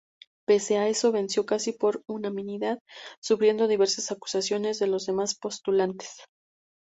Pese a eso, venció casi por unanimidad, sufriendo diversas acusaciones de los demás postulantes.